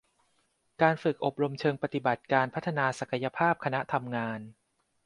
การฝึกอบรมเชิงปฏิบัติการพัฒนาศักยภาพคณะทำงาน